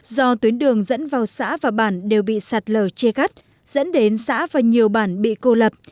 do tuyến đường dẫn vào xã và bản đều bị sạt lở chia cắt dẫn đến xã và nhiều bản bị cô lập